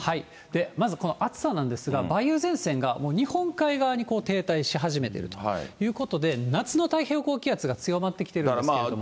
まずこの暑さなんですが、梅雨前線がもう日本海側に停滞し始めているということで、夏の太平洋高気圧が強まってきてるんですけども。